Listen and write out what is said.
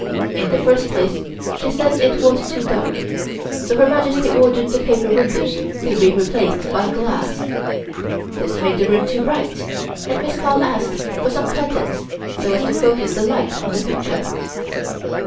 In the first place she said it was too dark, so Her Majesty ordered the paper windows to be replaced by glass. This made the room too bright, and Miss Carl asked for some curtains so as to focus the light on the picture.